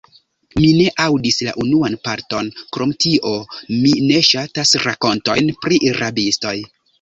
Mi ne aŭdis la unuan parton; krom tio, mi ne ŝatas rakontojn pri rabistoj.